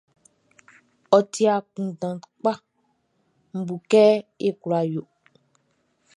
Ôti akunndan kpa, Nʼbu kɛ ye kula yo.